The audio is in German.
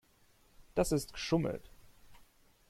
Das ist geschummelt.